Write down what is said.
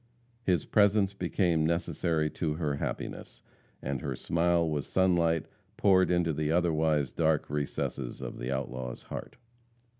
His presence became necessary to her happiness, and her smile was sunlight poured into the otherwise dark recesses of the outlaw's heart.